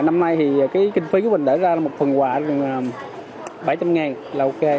năm nay thì kinh phí của mình đẩy ra là một phần quà bảy trăm linh ngàn là ok